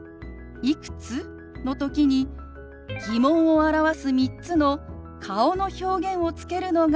「いくつ？」の時に疑問を表す３つの顔の表現をつけるのがポイントです。